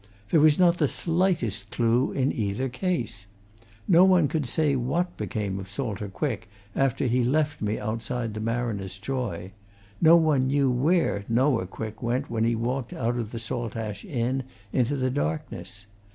There was not the slightest clue in either case. No one could say what became of Salter Quick after he left me outside the Mariner's Joy; no one knew where Noah Quick went when he walked out of the Saltash inn into the darkness.